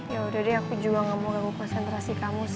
yaudah deh aku juga gak mau ganggu konsentrasi kamu sih